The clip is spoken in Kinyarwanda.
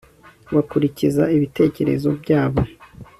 bakurikiza ibitekerezo byabo